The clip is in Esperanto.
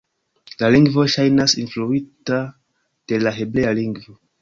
La lingvo ŝajnas influita de la hebrea lingvo.